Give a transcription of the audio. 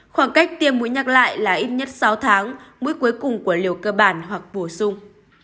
khoảng cách tiêm mũi nhắc lại là ít nhất sáu tháng mũi cuối cùng của liều cơ bản hoặc bổ sung